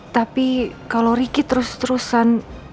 tapi kalau ricky terus terusan